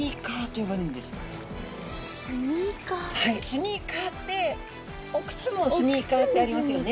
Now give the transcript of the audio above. スニーカーってお靴もスニーカーってありますよね。